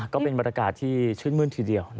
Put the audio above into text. ก็เป็นบรรยากาศที่ชื่นมื้นทีเดียว